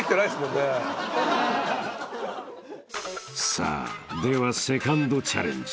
［さあではセカンドチャレンジ］